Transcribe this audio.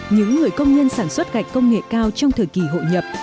những người công nhân sản xuất gạch công nghệ cao trong thời kỳ hội nhập